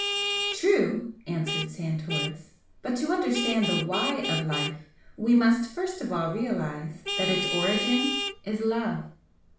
"True!" answered Santoris "But to understand the 'why' of life we must first of all realise that its origin Is Love.